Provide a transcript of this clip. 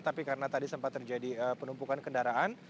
tapi karena tadi sempat terjadi penumpukan kendaraan